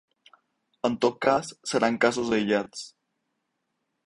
En tot cas seran casos aïllats.